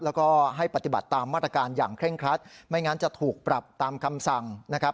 แล้วก็ให้ปฏิบัติตามมาตรการอย่างเคร่งครัดไม่งั้นจะถูกปรับตามคำสั่งนะครับ